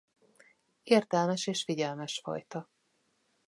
Értelmes és figyelmes fajta.